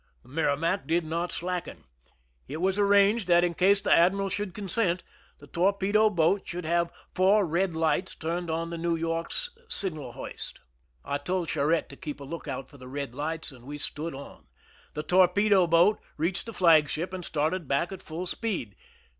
The Merrimac did not slacken. It was arranged that, in case the admiral should consent, the tor pedo boat should have four red lights turned on the New YorMs signal hoist. I told Charette to keep a lookout for the red lights, and we stood on. The torpedo boat reached the flagship and started back at full speed.